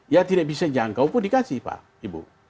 ya tidak bisa jangkau pun dikasih pak ibu